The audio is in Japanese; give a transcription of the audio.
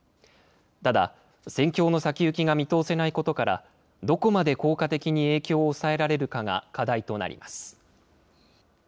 ただ、戦況の先行きが見通せないことから、どこまで効果的に影響を抑えられるかが課題となります。